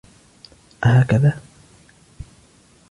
أهكذا؟